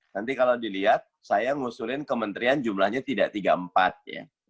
nanti kalau dilihat saya ngusulin kementerian jumlahnya tidak tiga puluh empat ya